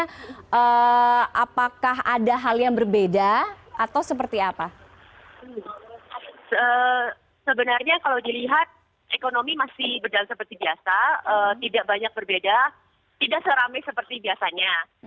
jadi kita bisa langsung subscribe ke websitenya nanti lalui whatsapp ya setiap hari saya menerima update dan broadcast seperti itu message nya